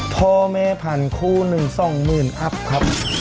พ่อแม่พันคู่หนึ่งสองหมื่นอัพครับ